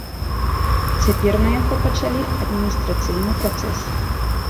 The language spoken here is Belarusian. Цяпер на яго пачалі адміністрацыйны працэс.